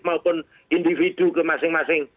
maupun individu ke masing masing